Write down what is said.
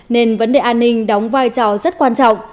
nên vấn đề an ninh đóng vai trò rất quan trọng